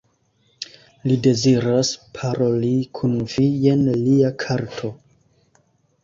Li deziras paroli kun vi, jen lia karto.